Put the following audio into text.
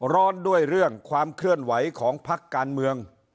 ร้อนด้วยเรื่องความเคลื่อนไหวของพักการเมือง